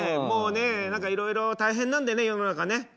もうねえ何かいろいろ大変なんでね世の中ね。